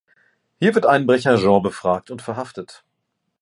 Hier wird Einbrecher Jean befragt und verhaftet.